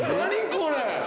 これ。